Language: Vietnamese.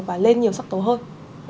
và lên nhiều sắc tối hơi